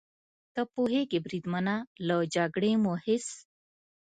ته پوهېږې بریدمنه، له جګړې مو هېڅ.